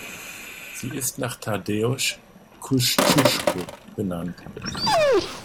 Sie ist nach Tadeusz Kościuszko benannt.